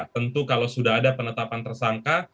tentu kalau sudah ada penetapan tersangka